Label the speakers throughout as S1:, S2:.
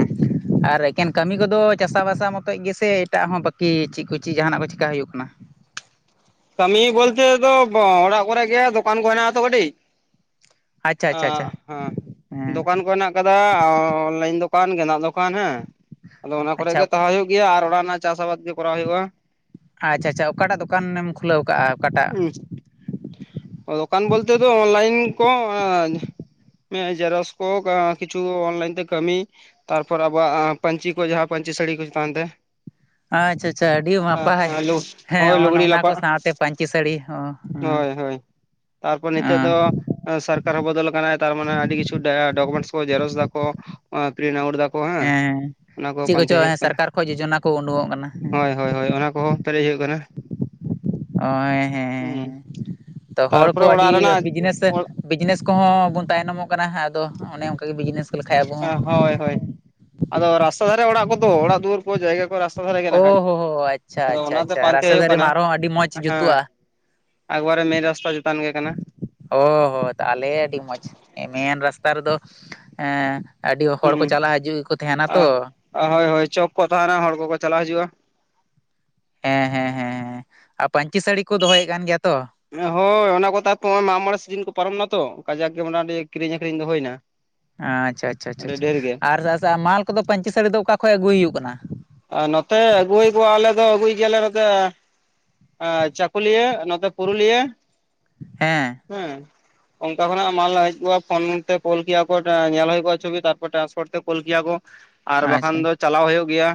S1: [unintelligible] ᱟᱨ ᱮᱠᱮᱱ ᱠᱟᱹᱢᱤ ᱠᱚᱫᱚ ᱪᱟᱥᱟᱵᱟᱥᱟ ᱢᱚᱛᱚᱡ ᱜᱮᱥᱮ ᱮᱴᱟᱜ ᱦᱚᱸ ᱵᱟᱹᱠᱤ ᱪᱮᱫ ᱠᱚ ᱪᱮᱫ ᱡᱟᱦᱟᱱᱟᱜ ᱠᱚ ᱪᱮᱠᱟ ᱦᱩᱭᱩᱜ ᱠᱟᱱᱟ?
S2: ᱠᱟᱹᱢᱤ ᱵᱚᱞᱪᱮ ᱛᱚ ᱚᱲᱟᱜ ᱠᱚᱨᱮ ᱜᱮᱭ ᱫᱚᱠᱟᱱ ᱠᱚ ᱦᱮᱱᱟᱜᱼᱟ ᱛᱚ ᱠᱟᱹᱴᱤᱡ
S1: ᱟᱪᱪᱷᱟ ᱟᱪᱪᱷᱟ
S2: ᱟᱸᱜ
S1: ᱟᱪᱪᱷᱟ
S2: ᱦᱟᱸ
S1: ᱦᱮᱸ
S2: ᱫᱚᱠᱟᱱ ᱠᱚ ᱦᱮᱱᱟᱜ ᱠᱟᱫᱟ ᱚᱱᱞᱟᱭᱤᱱ ᱫᱚᱠᱟᱱ ᱜᱮ ᱦᱮᱱᱟᱜ ᱫᱚᱠᱟᱱ ᱦᱮᱸ ᱟᱫᱚ ᱚᱱᱟ ᱠᱚᱨᱮ ᱜᱮ
S1: ᱟᱪᱪᱷᱟ
S2: ᱛᱟᱦᱮᱸ ᱦᱩᱭᱩᱜ ᱠᱟᱱᱟ ᱜᱮᱭᱟ ᱟᱨ ᱚᱲᱟᱜ ᱨᱮᱱᱟᱜ ᱪᱟᱥ ᱟᱵᱟᱫᱽ ᱜᱮ ᱠᱚᱨᱟᱣ ᱦᱩᱭᱩᱜᱼᱟ
S1: ᱟᱪᱷᱟ ᱟᱪᱷᱟ ᱚᱠᱟᱴᱟᱜ ᱫᱚᱠᱟᱱᱮᱢ ᱠᱷᱩᱞᱟᱹᱣ ᱠᱟᱜᱼᱟ ᱚᱠᱟᱴᱟᱜ?
S2: ᱫᱚᱠᱟᱱ ᱵᱚᱞᱛᱮ ᱫᱚ ᱚᱱᱞᱟᱭᱤᱱ ᱠᱚ [unintelligible] ᱡᱮᱨᱚᱠᱚᱥ ᱠᱳ ᱠᱤᱪᱷᱩ ᱚᱱᱞᱟᱭᱤᱱ ᱛᱮ ᱠᱟᱹᱢᱤ ᱛᱟᱨᱯᱚᱨ ᱟᱵᱚᱣᱟᱜ ᱯᱟᱹᱧᱪᱤ ᱠᱚ ᱡᱟᱦᱟᱸ ᱯᱟᱹᱧᱪᱤ ᱥᱟᱹᱲᱤ ᱠᱚ ᱪᱮᱛ ᱛᱟᱦᱮᱸ
S1: ᱟᱪᱷᱟ ᱟᱪᱷᱟ ᱟᱹᱰᱤ ᱱᱟᱯᱟᱭ ᱦᱮᱸ
S2: ᱦᱳᱭ ᱞᱩᱜᱽᱲᱤ
S1: ᱚᱱᱟ ᱠᱚ
S2: ᱞᱟᱯᱟᱜ
S1: ᱥᱟᱶᱛᱮ ᱯᱟᱹᱧᱪᱤ ᱥᱟᱹᱲᱤ ᱦᱚᱸ ᱦᱮᱸ
S2: ᱦᱳᱭ ᱦᱳᱭ ᱛᱟᱨᱯᱚᱨ ᱱᱤᱛᱚᱜ
S1: ᱦᱮᱸ
S2: ᱫᱚ ᱥᱚᱨᱠᱟᱨ ᱦᱚᱸ ᱵᱚᱫᱚᱞ ᱠᱟᱱᱟᱭ ᱛᱟᱨᱢᱟᱱᱮ ᱟᱹᱰᱤ ᱠᱤᱪᱷᱩ ᱰᱟᱭᱟ ᱰᱚᱠᱚᱢᱮᱱᱴᱥ ᱠᱚ ᱡᱮᱨᱚᱠᱚᱥ ᱫᱟ ᱠᱚ ᱟᱨ ᱯᱨᱤᱱᱴ ᱟᱣᱩᱴ ᱫᱟᱠᱚ ᱦᱮᱸ᱾ ᱚᱱᱟ ᱠᱚᱦᱚᱸ
S1: ᱪᱮᱫ ᱠᱚᱪᱚ
S2: ᱯᱟᱱᱛᱮ ᱦᱩᱭᱩᱜ ᱠᱟᱱᱟ,
S1: ᱥᱚᱨᱠᱟᱨ ᱠᱷᱚᱡ ᱡᱳᱡᱚᱱᱟ ᱠᱚ ᱩᱰᱩᱠᱚᱜ ᱠᱟᱱᱟ ᱦᱮᱸ
S2: ᱦᱳᱭ ᱦᱳᱭ ᱦᱳᱭ ᱚᱱᱟ ᱠᱚᱦᱚᱸ ᱯᱮᱨᱮᱡ ᱦᱩᱭᱩᱜ ᱠᱟᱱᱟ᱾
S1: ᱮ ᱦᱮᱸ
S2: ᱦᱩᱸ
S1: ᱛᱚ ᱦᱚᱲ ᱠᱚ
S2: ᱛᱟᱨᱯᱚᱨᱮ
S1: ᱟᱹᱰᱤ
S2: ᱚᱲᱟᱜ ᱨᱮᱱᱟᱜ
S1: ᱵᱤᱡᱽᱱᱮᱥᱮᱼᱼ
S2: ᱚᱲ
S1: ᱵᱤᱡᱱᱮᱥ ᱠᱚᱦᱚᱸ ᱵᱚᱱ ᱛᱟᱭᱱᱚᱢᱚᱜ ᱠᱟᱱᱟ ᱦᱟᱜ ᱟᱫᱚ ᱚᱱᱮ ᱚᱱᱠᱟᱟᱜᱮ ᱵᱤᱡᱽᱱᱮᱥ ᱠᱚ ᱞᱮᱠᱷᱟᱡ ᱟᱵᱚ ᱦᱚᱸᱼᱼ
S2: ᱦᱳᱭ ᱦᱳᱭ ᱟᱫᱚ ᱨᱟᱥᱛᱟ ᱫᱷᱟᱨᱮ ᱚᱲᱟᱜ ᱠᱚᱫᱚ ᱚᱲᱟᱜ ᱫᱩᱣᱟᱹᱨ ᱠᱚ ᱡᱟᱭᱜᱟ ᱠᱚ ᱨᱟᱥᱼᱼ ᱫᱷᱟᱨᱮᱜᱮ
S1: ᱳ
S2: ᱱᱟᱠᱷᱟᱡ,
S1: ᱦᱳ ᱦᱳ ᱟᱪᱪᱷᱟ
S2: ᱟᱫᱚ
S1: ᱟᱪᱪᱷᱟ
S2: ᱚᱱᱟᱛᱮ
S1: ᱟᱪᱪᱷᱟ
S2: ᱯᱟᱱᱛᱮ
S1: ᱨᱟᱥᱮ
S2: ᱦᱩᱭᱩᱜ
S1: ᱫᱟᱨᱮ
S2: ᱠᱟᱱᱟ,
S1: ᱢᱟ ᱟᱨᱦᱚᱸ ᱟᱹᱰᱤ ᱢᱚᱸᱡᱽ ᱡᱩᱛᱩᱜᱼᱟ
S2: ᱦᱮᱸ᱾ ᱮᱠᱵᱟᱨᱮ ᱢᱮᱱ ᱨᱟᱥᱛᱟ ᱪᱮᱛᱟᱱ ᱜᱮ ᱠᱟᱱᱟ᱾
S1: ᱚ ᱦᱚᱸ ᱛᱟᱦᱞᱮ ᱟᱹᱰᱤ ᱢᱚᱸᱡᱽ, ᱢᱮᱱ ᱨᱟᱥᱛᱟ ᱨᱮᱫᱚ ᱮ᱾ ᱟᱹᱰᱤ ᱦᱚᱲ
S2: ᱦᱩᱸ
S1: ᱠᱚ ᱪᱟᱞᱟᱜᱣ ᱦᱤᱡᱩᱜ ᱜᱮᱠᱚ ᱛᱟᱦᱮᱱᱟ ᱛᱚ᱾
S2: ᱦᱳᱭ ᱦᱳᱭ ᱪᱚᱠ ᱠᱚ ᱛᱟᱦᱮᱱᱟ ᱦᱚᱲ ᱠᱚᱠᱚ ᱪᱟᱞᱟᱣ ᱦᱤᱡᱩᱜᱼᱟ᱾
S1: ᱦᱮᱸ ᱦᱮᱸ ᱦᱮᱸ ᱦᱮᱸ ᱟᱨ ᱯᱟᱟᱹᱧᱪᱤ ᱥᱟᱹᱲᱤ ᱠᱚ ᱫᱚᱦᱚᱭᱮᱜ ᱠᱟᱱ ᱜᱮᱭᱟ ᱛᱚ?
S2: ᱦᱳᱭ ᱚᱱᱟ ᱠᱚ ᱛᱟᱨᱯᱚᱨ ᱢᱟᱜᱽ ᱢᱚᱬᱮ ᱥᱤᱡᱤᱱ ᱠᱚ ᱯᱟᱨᱚᱢᱮ ᱱᱟ ᱛᱚ ᱠᱟᱡᱟᱠ ᱜᱮ ᱢᱟᱱᱮ ᱠᱤᱨᱤᱧ ᱟᱠᱷᱨᱤᱧ ᱫᱚ ᱦᱩᱭᱮᱱᱟ᱾
S1: ᱟᱪᱪᱷᱟ ᱟᱪᱪᱷᱟ ᱟᱨ ᱢᱟᱞ ᱠᱚᱫᱚ ᱯᱟᱹᱧᱪᱤ ᱥᱟᱹᱲᱤ ᱫᱚ ᱚᱠᱟ ᱠᱷᱚᱡ ᱟᱹᱜᱩᱭ ᱦᱩᱭᱩᱜ ᱠᱟᱱᱟ?
S2: ᱟᱨ ᱱᱚᱛᱮ ᱟᱹᱜᱩᱭ ᱦᱩᱭ ᱠᱚᱜᱼᱟ ᱟᱞᱮ ᱫᱚ ᱟᱹᱜᱩᱭ ᱜᱮᱭᱟᱞᱮ ᱱᱚᱛᱮ᱾ ᱪᱟᱹᱠᱩᱞᱤᱭᱟᱹ ᱟᱨ ᱱᱚᱛᱮ ᱯᱩᱨᱩᱞᱤᱭᱟᱹ᱾
S1: ᱦᱮᱸ᱾
S2: ᱦᱮᱸ᱾ ᱚᱱᱠᱟ ᱠᱷᱚᱱᱟᱜ ᱢᱟᱞ ᱦᱮᱡ ᱠᱚᱜᱼᱟ ᱯᱷᱳᱱ ᱛᱮ ᱠᱚᱞ ᱠᱮᱭᱟ ᱠᱚ ᱧᱮᱞ ᱦᱳᱭ ᱠᱚᱜᱼᱟ ᱪᱷᱚᱵᱤ ᱛᱟᱨᱯᱚᱨ ᱴᱮᱨᱟᱥᱯᱳᱰ ᱛᱮ ᱠᱚᱞ ᱠᱮᱭᱟ ᱠᱚ᱾ ᱟᱨ ᱵᱟᱠᱷᱟᱱ
S1: ᱟᱪᱪᱷᱟ
S2: ᱫᱚ ᱪᱟᱞᱟᱣ ᱦᱳᱭᱳᱜ ᱜᱮᱭᱟ᱾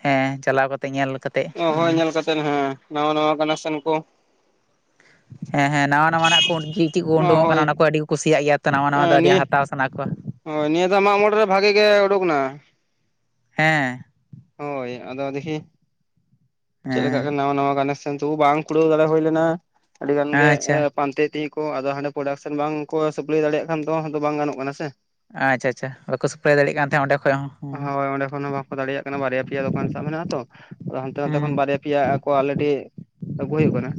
S1: ᱦᱮᱸ, ᱪᱟᱞᱟᱣ ᱠᱟᱛᱼᱼ
S2: ᱦᱳᱭ ᱧᱮᱞ ᱠᱟᱛᱮᱱ ᱦᱮᱸ ᱱᱟᱣᱟ ᱱᱟᱣᱟ ᱠᱟᱱᱮᱠᱥᱮᱱ ᱠᱚ᱾
S1: ᱦᱮᱸ ᱦᱮᱸ ᱱᱟᱣᱟ ᱱᱟᱣᱟᱱᱟᱜ ᱠᱚ ᱪᱤᱱ ᱪᱤᱱ ᱠᱚ ᱳᱰᱳᱝᱚᱜ ᱠᱟᱱᱟ
S2: ᱦᱳᱭ
S1: ᱚᱱᱟ ᱠᱚ ᱟᱹᱰᱤ ᱠᱚ ᱠᱩᱥᱤᱭᱟᱜ ᱜᱮᱭᱟ ᱛᱚ ᱱᱟᱣᱟ ᱱᱟᱣᱟ ᱫᱚ ᱟᱹᱰᱤ
S2: ᱱᱤᱭᱟᱹ
S1: ᱦᱟᱛᱟᱣᱼᱼ ᱚᱱᱟ ᱠᱚ᱾
S2: ᱦᱳᱭ ᱱᱤᱭᱟᱹ ᱫᱷᱟᱣ ᱢᱟᱜᱽ ᱢᱚᱬᱮ ᱨᱮ ᱵᱷᱟᱜᱮ ᱜᱮ ᱩᱰᱳᱠ ᱱᱟ᱾
S1: ᱦᱮᱸ
S2: ᱦᱳᱭ ᱟᱫᱚ ᱫᱤᱠᱷᱤ ᱪᱮᱫ
S1: ᱦᱮᱸ
S2: ᱞᱮᱠᱟ ᱱᱟᱣᱟ ᱱᱟᱣᱟ ᱜᱮ ᱱᱮᱥ᱾ ᱠᱤᱱᱛᱩ ᱵᱟᱝ ᱠᱩᱲᱟᱹᱣ ᱫᱟᱲᱮ ᱦᱩᱭ ᱞᱮᱱᱟ ᱟᱹᱰᱤ ᱜᱟᱱ ᱜᱮ, ᱮᱼᱼ
S1: ᱟᱪᱪᱷᱟ
S2: ᱯᱟᱱᱛᱮ ᱤᱫᱤᱭᱟᱠᱚ ᱟᱫᱚ ᱦᱟᱸᱰᱮ ᱯᱨᱚᱰᱟᱠᱥᱚᱱ ᱵᱟᱝᱠᱚ ᱥᱟᱹᱯᱞᱟᱹᱭ ᱫᱟᱲᱮᱭᱟᱜ ᱠᱷᱟᱱ ᱫᱚ, ᱦᱮᱸᱛᱚ ᱵᱟᱝ ᱜᱟᱱᱚᱜ ᱠᱟᱱᱟ ᱥᱮ᱾
S1: ᱟᱪᱪᱷᱟ ᱟᱪᱪᱷᱟ ᱵᱟᱠᱚ ᱥᱟᱯᱞᱟᱭ ᱫᱟᱲᱮᱭᱟᱜ ᱠᱟᱱ ᱛᱟᱦᱮᱫ ᱚᱸᱰᱮ ᱠᱷᱚᱡ ᱦᱚᱸ᱾ ᱦᱩᱸ
S2: ᱦᱳᱭ ᱚᱸᱰᱮ ᱠᱷᱚᱱ ᱦᱚᱸ ᱵᱟᱠᱚ ᱫᱟᱲᱮᱭᱟᱜ ᱠᱟᱱᱟ ᱵᱟᱨᱭᱟ ᱯᱮᱭᱟ ᱫᱚᱠᱟᱱ ᱥᱟᱵ ᱢᱮᱱᱟᱜᱼᱟ ᱛᱚ ᱟᱫᱚ ᱦᱟᱱᱛᱮ ᱱᱟᱛᱮ
S1: ᱦᱩᱸ
S2: ᱠᱷᱚᱱ ᱵᱟᱨᱭᱟ ᱼᱼ ᱯᱮᱭᱟ ᱟᱠᱚ ᱟᱞᱮᱰᱤ ᱟᱹᱜᱩ ᱦᱩᱭᱩᱜ ᱠᱟᱱᱟ᱾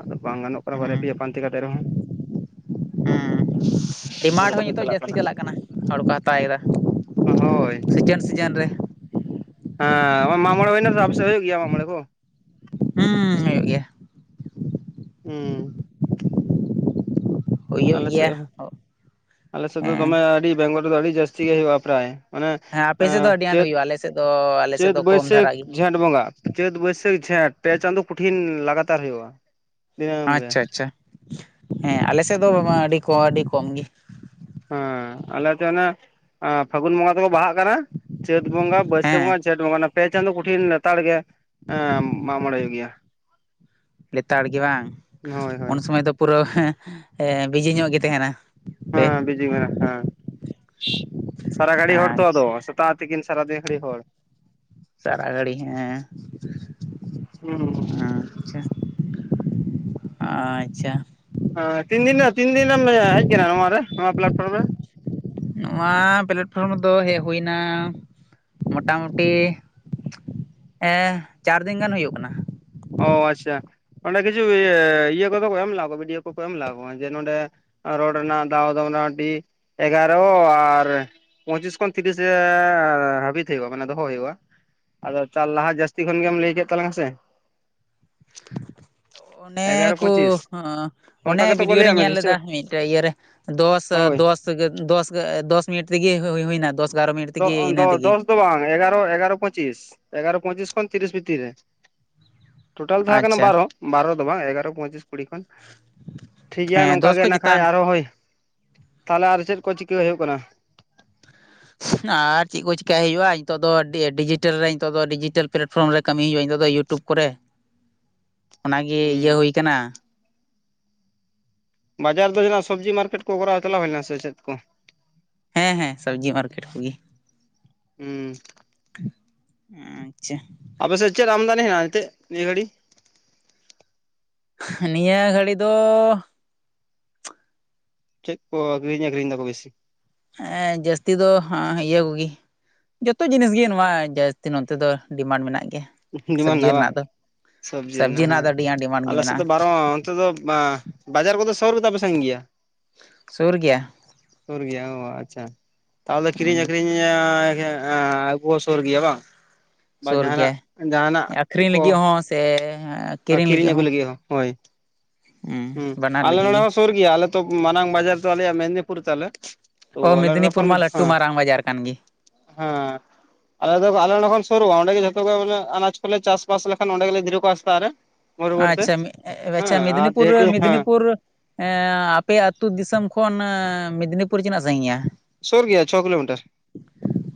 S2: ᱟᱫᱚ ᱵᱟᱝ ᱜᱟᱱᱚᱜ ᱠᱟᱱᱟ ᱵᱟᱨᱭᱟ ᱯᱮᱭᱟ ᱯᱟᱱᱛᱮ ᱠᱟᱛᱮ ᱨᱮᱦᱚᱸ᱾
S1: ᱦᱮᱸ ᱰᱤᱢᱟᱱᱰ ᱦᱚᱸ ᱱᱤᱛᱚᱜ ᱡᱟᱹᱥᱛᱤ ᱪᱟᱞᱟᱜ ᱠᱟᱱᱟ ᱦᱚᱲᱠᱚ ᱦᱟᱛᱟᱣᱮᱫᱟ᱾
S2: ᱦᱳᱭ ᱦᱮᱸ ᱢᱟᱜᱽ ᱢᱚᱬᱮ ᱦᱩᱭᱱᱟ ᱛᱚ ᱟᱯᱮ ᱥᱮᱫ ᱦᱩᱭᱩᱜ ᱜᱮᱭᱟ ᱢᱟᱜᱽ ᱢᱚᱬᱮ ᱠᱚ?
S1: ᱦᱩᱸ, ᱦᱳᱭᱳᱜ ᱜᱮᱭᱟ᱾
S2: ᱦᱩᱸ᱾
S1: ᱦᱩᱭᱩᱜ
S2: ᱟᱞᱮ
S1: ᱜᱮᱭᱟ
S2: ᱥᱮᱫ ᱦᱚᱸ ᱟᱞᱮ ᱥᱮᱫ ᱫᱚ ᱫᱚᱢᱮ
S1: ᱦᱮᱸ
S2: ᱟᱹᱰᱤ ᱵᱮᱝᱜᱚᱞ ᱨᱮᱫᱚ ᱟᱹᱰᱤ ᱡᱟᱹᱥᱛᱤ ᱜᱮ ᱦᱩᱭᱩᱜᱼᱟ, ᱯᱨᱟᱭ᱾ ᱚᱱᱮ
S1: ᱦᱮᱸ ᱟᱯᱮ
S2: ᱮ
S1: ᱥᱮᱫ ᱫᱚ ᱟᱹᱰᱤ ᱟᱸᱴ
S2: ᱪᱟᱹᱛᱼᱼ
S1: ᱦᱩᱭᱩᱜᱼᱟ ᱟᱞᱮ ᱥᱮᱫ ᱫᱚᱼᱼ
S2: ᱪᱟᱹᱛ ᱵᱟᱹᱭᱥᱟᱹᱠᱷ ᱡᱷᱮᱸᱴ ᱵᱚᱸᱜᱟ, ᱪᱟᱹᱛ ᱵᱟᱹᱭᱥᱟᱹᱠᱷ ᱡᱷᱮᱸᱴ ᱯᱮ ᱪᱟᱸᱫᱳ ᱠᱩᱴᱷᱤᱱ ᱞᱟᱜᱟᱛᱟᱨ ᱦᱩᱭᱩᱜᱼᱟ᱾ ᱫᱤᱱᱟᱹᱢ ᱜᱮ
S1: ᱟᱪᱪᱷᱟ ᱟᱪᱪᱷᱟ, ᱦᱮᱸ ᱟᱞᱮᱥᱮᱫ ᱫᱚ ᱵᱟᱝ ᱟᱹᱰᱤ ᱠᱚ ᱟᱹᱰᱤ ᱠᱚᱢ ᱜᱮ᱾
S2: ᱦᱮᱸ ᱟᱞᱮᱥᱮᱱᱟ ᱯᱷᱟᱹᱜᱩᱱ ᱵᱚᱸᱜᱟ ᱫᱚᱠᱚ ᱵᱟᱦᱟᱜ ᱠᱟᱱᱟ ᱪᱟᱹᱛ ᱵᱚᱸᱜᱟ ᱵᱟᱹᱭᱥᱟᱹᱠᱷ
S1: ᱦᱮᱸ
S2: ᱵᱚᱸᱜᱟᱼᱼ ᱡᱷᱮᱴ ᱵᱚᱸᱜᱟ ᱚᱱᱟ ᱯᱮ ᱪᱟᱸᱫᱚ ᱠᱩᱴᱷᱤᱱ ᱞᱮᱛᱟᱲ ᱜᱮ ᱢᱟᱜᱽ ᱢᱚᱬᱮ ᱦᱩᱭᱩᱜ ᱜᱮᱭᱟ᱾
S1: ᱞᱮᱛᱟᱲ ᱜᱮ ᱵᱟᱝ
S2: ᱦᱳᱭ ᱦᱳᱭ
S1: ᱩᱱ ᱥᱚᱢᱚᱭ ᱫᱚ ᱯᱩᱨᱟᱹ ᱵᱤᱡᱤ ᱧᱚᱜ ᱜᱮ ᱛᱮᱦᱮᱱᱟ᱾
S2: ᱦᱮᱸ ᱵᱤᱡᱤ ᱢᱮ ᱦᱮᱸ ᱥᱟᱨᱟ ᱜᱟᱲᱤ ᱦᱚᱲ ᱛᱚ ᱟᱫᱚ᱾
S1: ᱟᱪᱪᱷᱟ
S2: ᱛᱟ ᱛᱤᱠᱤᱱ ᱥᱟᱨᱟ ᱫᱤᱱ ᱦᱟᱹᱲᱤ ᱦᱚᱲ᱾
S1: ᱥᱟᱨᱟ ᱜᱟᱹᱲᱤ ᱦᱮᱸ
S2: ᱦᱩᱸ
S1: ᱟᱪᱪᱷᱟ ᱟᱪᱪᱷᱟ
S2: ᱛᱤᱱ ᱫᱤᱱ ᱛᱤᱱ ᱫᱤᱱᱮᱢ ᱦᱮᱡ ᱠᱟᱱᱟ᱾ ᱱᱚᱣᱟ ᱨᱮ ᱱᱚᱣᱟ ᱯᱞᱟᱴᱯᱷᱚᱨᱢ ᱨᱮ
S1: ᱱᱚᱣᱟ ᱯᱞᱟᱴᱯᱷᱚᱨᱚᱢ ᱨᱮᱫᱚ ᱦᱮᱡ ᱦᱩᱭᱱᱟ ᱢᱚᱴᱟᱢᱩᱴᱤ ᱪᱟᱨᱫᱤᱱ ᱜᱟᱱ ᱦᱩᱭᱩᱜ ᱠᱟᱱᱟ᱾
S2: ᱚ ᱟᱪᱪᱷᱟ ᱚᱸᱰᱮ ᱠᱤᱪᱷᱩ ᱤᱭᱟᱹ ᱠᱚ ᱫᱚ ᱮᱢ ᱞᱮᱱᱟ ᱱᱚᱣᱟ ᱵᱷᱤᱰᱭᱳ ᱠᱚᱠᱚ ᱮᱢ ᱞᱮᱱᱟ ᱱᱚᱣᱟ ᱡᱮ ᱱᱚᱸᱰᱮ ᱨᱚᱰ ᱨᱮᱱᱟᱜ ᱫᱟᱣ ᱫᱚ ᱨᱮᱱᱟᱜ ᱢᱚᱴᱟᱢᱩᱴᱤ ᱮᱜᱟᱨᱚ ᱟᱨ ᱯᱚᱸᱪᱤᱥ ᱠᱷᱚᱱ ᱛᱤᱨᱤᱥ ᱨᱮ ᱦᱟᱹᱵᱤᱛ ᱦᱩᱭᱩᱜ-ᱟ᱾ ᱢᱟᱱᱮ ᱫᱚᱦᱚ ᱦᱩᱭᱩᱜ-ᱟ᱾ ᱟᱫᱚ ᱪᱟᱞ ᱞᱟᱦᱟ ᱡᱟᱹᱥᱛᱤ ᱠᱷᱚᱱ ᱜᱮᱢ ᱞᱟᱹᱭ ᱠᱮᱫ ᱛᱟᱞᱟᱝᱟ ᱥᱮ
S1: ᱚᱱᱮ
S2: ᱮᱜᱟᱨᱚ
S1: ᱠᱚ
S2: ᱯᱚᱸᱪᱤᱥ
S1: ᱚᱱᱮ
S2: ᱚᱱᱠᱟ ᱜᱮᱛᱚ ᱠᱚ
S1: ᱵᱷᱤᱰᱤᱭᱳ
S2: ᱞᱟᱹᱭᱟᱜ
S1: ᱨᱮᱧ
S2: ᱢᱮ
S1: ᱧᱮᱞ ᱞᱮᱫᱟ
S2: ᱦᱤᱥᱟᱹᱵ
S1: ᱢᱤᱫᱴᱮᱡ ᱤᱭᱟᱹᱨᱮ ᱫᱚᱥ
S2: ᱦᱳᱭ
S1: ᱫᱚᱥ ᱫᱚᱥ ᱫᱚᱥ ᱢᱤᱱᱤᱴ ᱨᱮᱜᱮ ᱦᱩᱭ ᱦᱩᱭᱱᱟ ᱫᱚᱥ ᱮᱜᱟᱨᱚ ᱢᱤᱱᱤᱴ ᱛᱮᱜᱮ ᱤᱱᱟᱹ ᱛᱮᱜᱮ
S2: ᱫᱚᱥ ᱫᱚ ᱵᱟᱝ ᱮᱜᱟᱨᱚ ᱮᱜᱟᱨᱚ ᱯᱚᱸᱪᱤᱥ ᱮᱜᱟᱨᱚ ᱯᱚᱸᱪᱤᱥ ᱠᱷᱚᱱ ᱛᱤᱨᱤᱥ ᱵᱷᱤᱛᱤᱨ ᱨᱮ ᱴᱳᱴᱟᱞ ᱫᱚ ᱠᱟᱱᱟ
S1: ᱟᱪᱪᱷᱟ
S2: ᱵᱟᱨᱚ ᱵᱟᱨᱚ ᱫᱚ ᱵᱟᱝ ᱮᱜᱟᱨᱚ ᱯᱚᱸᱪᱤᱥ ᱠᱩᱲᱤ ᱠᱷᱚᱱ ᱴᱷᱤᱠ ᱜᱮᱭᱟ
S1: ᱦᱮᱸ
S2: ᱱᱚᱝᱠᱟ
S1: ᱫᱚᱥ
S2: ᱜᱮ
S1: ᱠᱷᱚᱡ
S2: ᱱᱟ ᱠᱷᱷᱟᱡ
S1: ᱪᱮᱛᱟᱱ
S2: ᱟᱨᱚᱸ ᱦᱳᱭ ᱛᱟᱦᱚᱞᱮ ᱟᱨ ᱪᱮᱫ ᱠᱚ ᱪᱤᱠᱟᱹ ᱦᱩᱭᱩᱜ ᱠᱟᱱᱟ
S1: ᱟᱨ ᱪᱮᱫ ᱠᱚ ᱪᱮᱠᱟᱹᱭ ᱦᱩᱭᱩᱜ-ᱟ᱾ ᱱᱤᱛᱚᱜ ᱫᱚ ᱰᱤᱡᱤᱴᱟᱞ ᱨᱮ ᱱᱤᱛᱚᱜ ᱫᱚ ᱰᱤᱡᱤᱴᱟᱞ ᱯᱞᱟᱴᱯᱷᱚᱨᱢ ᱨᱮ ᱠᱟᱹᱢᱤ ᱦᱩᱭᱩᱜ-ᱟ᱾ ᱱᱤᱛᱚᱜ ᱫᱚ ᱤᱭᱩᱵᱽ ᱴᱩᱵᱽ ᱠᱚᱨᱮ ᱚᱱᱟᱜᱮ ᱤᱭᱟᱹ
S2: ᱦᱩᱸ
S1: ᱦᱩᱭ ᱟᱠᱟᱱᱟ
S2: ᱵᱟᱡᱟᱨ ᱫᱚ ᱡᱟᱦᱟᱱᱟᱜ ᱥᱚᱵᱽᱡᱤ ᱢᱟᱨᱠᱮᱴ ᱠᱚ ᱠᱚᱨᱟᱣ ᱪᱟᱞᱟᱣ ᱦᱩᱭᱱᱟ ᱥᱮ ᱪᱮᱫ ᱠᱚ
S1: ᱦᱮᱸ ᱦᱮᱸ ᱥᱚᱵᱽᱡᱤ ᱢᱟᱨᱠᱮᱴ ᱠᱚᱜᱮ
S2: ᱦᱩᱸ
S1: ᱟᱪᱪᱷᱟ
S2: ᱟᱯᱮᱥᱮᱫ ᱪᱮᱫ ᱟᱢᱫᱟᱱᱤ ᱦᱮᱱᱟᱜ ᱱᱤᱛᱚᱜ ᱱᱤᱭᱟᱹ ᱜᱷᱟᱹᱲᱤ
S1: ᱱᱤᱭᱟᱹ ᱜᱷᱟᱹᱲᱤ ᱫᱚ
S2: ᱪᱮᱫ ᱠᱚ ᱟᱹᱠᱷᱨᱤᱧ ᱟᱠᱠᱷᱨᱤᱧ ᱫᱟᱠᱚ ᱵᱮᱥᱤ
S1: ᱦᱮᱸ ᱡᱟᱹᱥᱛᱤ ᱫᱚ ᱤᱭᱟᱹ ᱠᱚᱜᱮ ᱡᱚᱛᱚ ᱡᱤᱱᱤᱥ ᱜᱮ ᱱᱚᱣᱟ ᱡᱟᱹᱥᱛᱤ ᱱᱚᱛᱮ ᱫᱚ ᱰᱤᱢᱟᱱᱰ ᱢᱮᱱᱟᱜ ᱜᱮᱭᱟ
S2: ᱰᱤᱢᱟᱱᱰ
S1: ᱥᱚᱵᱽᱡᱤ
S2: ᱢᱮᱱᱟᱜ-ᱟ᱾
S1: ᱨᱮᱱᱟᱜ
S2: ᱵᱟᱝ
S1: ᱫᱚ
S2: ᱥᱚᱵᱽᱡᱤ ᱨᱮᱱᱟᱜ ᱦᱮᱸ
S1: ᱫᱚ ᱟᱹᱰᱤ ᱜᱟᱱ ᱰᱤᱢᱟᱱᱰ ᱜᱮ
S2: ᱟᱞᱮ ᱥᱮᱫ ᱫᱚ
S1: ᱢᱮᱱᱟᱜᱼᱟ
S2: ᱵᱟᱝ ᱨᱮᱦᱚᱸ ᱚᱱᱛᱮ ᱫᱚ ᱵᱟᱡᱟᱨ ᱠᱚᱫᱚ ᱥᱳᱨ ᱜᱮᱛᱟᱯᱮᱭᱟ ᱥᱮ ᱥᱟᱺᱜᱤᱧ ᱜᱮᱭᱟ
S1: ᱥᱩᱨ ᱜᱮᱭᱟ᱾
S2: ᱥᱩᱨ ᱜᱮᱭᱟ ᱚ ᱟᱪᱪᱷᱟ ᱛᱟᱦᱚᱞᱮ ᱠᱤᱨᱤᱧ
S1: ᱦᱩᱸ
S2: ᱟᱹᱠᱷᱨᱤᱧ ᱦᱮᱸ ᱟᱹᱜᱩ ᱦᱚᱸ ᱥᱩᱨ ᱜᱮᱭᱟ ᱵᱟᱝ ᱟᱨ ᱵᱟ
S1: ᱥᱩᱨ
S2: ᱡᱟᱦᱟᱱᱟᱜ
S1: ᱜᱮᱭᱟ
S2: ᱡᱟᱦᱟᱱᱟᱜ
S1: ᱟᱠᱷᱨᱤᱧ ᱞᱟᱹᱜᱤᱫ ᱦᱚᱸ ᱥᱮ
S2: ᱠᱷᱤᱨᱤᱧ ᱟᱹᱜᱩ ᱞᱟᱹᱜᱤᱫ ᱦᱚᱸ ᱦᱳᱭ
S1: ᱦᱩᱸ
S2: ᱦᱩ
S1: ᱵᱟᱱᱟᱨ
S2: ᱟᱞᱮ
S1: ᱞᱟᱹᱜᱤᱫ
S2: ᱱᱚᱰᱮ
S1: ᱜᱮ
S2: ᱦᱚᱸ ᱥᱩᱨ ᱜᱮᱭᱟᱹ ᱟᱞᱮ ᱛᱚ ᱢᱟᱨᱟᱝ ᱵᱟᱡᱟᱨ ᱫᱚ ᱟᱞᱮᱭᱟᱜ ᱢᱮᱫᱽᱱᱤᱯᱩᱨ ᱛᱟᱞᱮ ᱛᱚ
S1: ᱚ
S2: ᱟᱞᱮ ᱱᱚᱰᱮ
S1: ᱢᱮᱫᱽᱱᱤᱯᱩᱨ
S2: ᱠᱷᱚᱱ
S1: ᱢᱟ ᱞᱟᱹᱴᱩ
S2: ᱦᱮᱸ
S1: ᱢᱟᱨᱟᱝ ᱵᱟᱡᱟᱨ ᱠᱟᱱ ᱜᱮ
S2: ᱦᱮᱸ ᱟᱞᱮ ᱫᱚ ᱟᱞᱮ ᱱᱚᱸᱰᱮ ᱠᱷᱚᱱ ᱥᱩᱨᱩᱜ-ᱟ᱾ ᱚᱸᱰᱮ ᱜᱮ ᱡᱚᱛᱚ ᱜᱮ ᱟᱱᱟᱡ ᱠᱚᱞᱮ ᱪᱟᱥ ᱵᱟᱥ ᱞᱮᱠᱷᱟᱱ ᱚᱸᱰᱮ ᱜᱮᱞᱮ ᱤᱫᱤᱦᱚᱴᱚ ᱠᱟᱜ-ᱟ᱾ ᱥᱮᱛᱟᱜ ᱨᱮ ᱵᱷᱳᱨ ᱵᱷᱳᱨ ᱛᱮ
S1: ᱟᱪᱪᱷᱟ
S2: ᱦᱮᱸ
S1: ᱟᱪᱪᱷᱟ
S2: ᱟᱨ
S1: ᱢᱮᱫᱽᱱᱤᱯᱩᱨ
S2: ᱡᱮᱦᱮᱛᱩ ᱦᱮᱸ
S1: ᱢᱮᱫᱽᱱᱤᱯᱩᱨ ᱟᱯᱮ ᱟᱹᱛᱩ ᱫᱤᱥᱚᱢ ᱠᱷᱚᱱ ᱢᱮᱫᱽᱱᱤᱯᱩᱨ ᱛᱤᱱᱟᱹᱜ ᱥᱟᱺᱜᱤᱧ-ᱟ᱾
S2: ᱥᱳᱨ ᱜᱮᱭᱟ ᱪᱷᱚ ᱠᱤᱞᱳᱢᱤᱴᱟᱨ